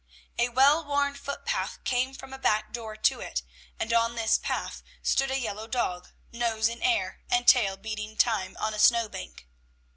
A well worn foot path came from a back door to it, and on this path stood a yellow dog, nose in air, and tail beating time on a snow bank.